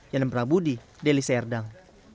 yanem prabudi delisa erdang